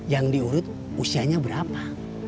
yang diurut usianya berapa